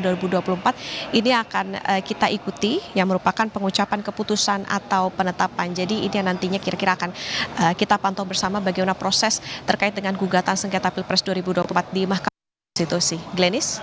jadi ini yang nantinya akan kita ikuti yang merupakan pengucapan keputusan atau penetapan jadi ini yang nantinya kira kira akan kita pantau bersama bagaimana proses terkait dengan gugatan sengketa pilpres dua ribu dua puluh empat di mahkamah konstitusi glenis